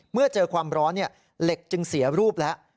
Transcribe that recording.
เมื่อเจอความร้อนเหล็กจึงเสียรูปแล้ว